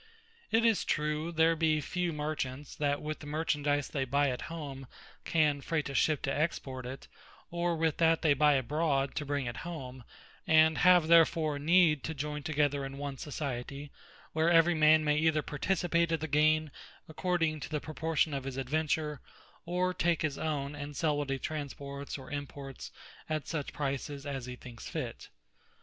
It is true, there be few Merchants, that with the Merchandise they buy at home, can fraight a Ship, to export it; or with that they buy abroad, to bring it home; and have therefore need to joyn together in one Society; where every man may either participate of the gaine, according to the proportion of his adventure; or take his own; and sell what he transports, or imports, at such prices as he thinks fit.